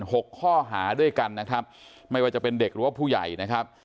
หกข้อหาด้วยกันนะครับไม่ว่าจะเป็นเด็กหรือว่าผู้ใหญ่นะครับ